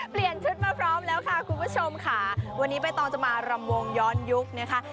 เปลี่ยนชุดมาพร้อมแล้วค่ะคุณผู้ชมค่ะวันนี้ใบตองจะมารำวงย้อนยุคนะคะ